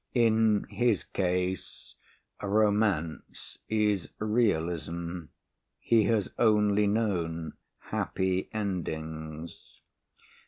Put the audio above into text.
In his case, romance is realism. He has only known happy endings.